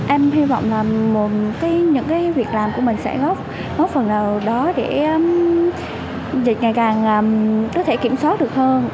em hy vọng là một cái những cái việc làm của mình sẽ góp một phần nào đó để dịch ngày càng có thể kiểm soát được hơn